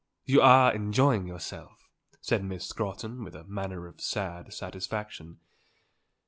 You are enjoying yourself," said Miss Scrotton with a manner of sad satisfaction.